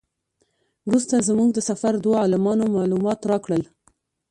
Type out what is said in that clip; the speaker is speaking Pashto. وروسته زموږ د سفر دوو عالمانو معلومات راکړل.